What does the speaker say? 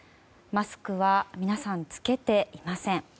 マスクは皆さん、着けていません。